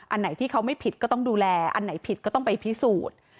อันไหนที่เขาไม่ผิดก็ต้องดูแลอันไหนผิดก็ต้องไปพิสูจน์